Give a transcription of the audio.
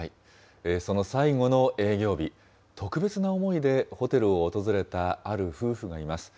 その最後の営業日、特別な思いでホテルを訪れたある夫婦がいます。